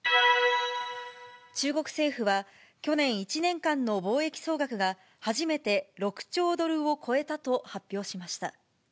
中国政府は、去年１年間の貿易総額が、初めて６兆ドルを超えたと発表しました。